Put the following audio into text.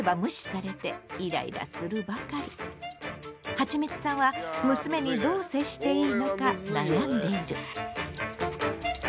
はちみつさんは娘にどう接していいのか悩んでいる。